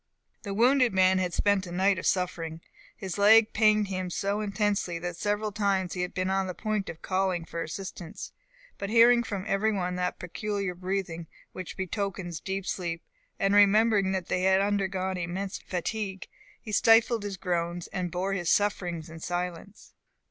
The wounded man had spent a night of suffering. His leg pained him so intensely, that several times he had been on the point of calling for assistance; but hearing from every one that peculiar breathing which betokens deep sleep, and remembering that they had undergone immense fatigue, he stifled his groans, and bore his sufferings in silence.